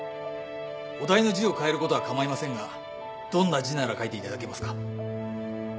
お題の字を変えることは構いませんがどんな字なら書いていただけますか？